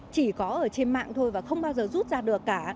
chỉ có ở trên mạng thôi và không bao giờ rút ra được cả